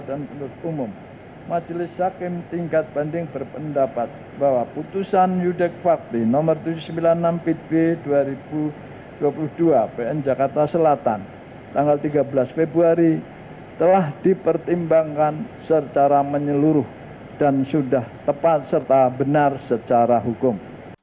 dan menurut umum majelis hakim tingkat banding berpendapat bahwa putusan yudek fakli nomor tujuh ratus sembilan puluh enam pitb dua ribu dua puluh dua pn jakarta selatan tanggal tiga belas februari telah dipertimbangkan secara menyeluruh dan sudah tepat serta benar secara hukum